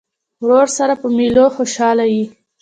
ورور سره په مېلو خوشحاله یې.